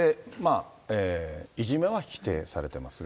いじめは否定されてますが。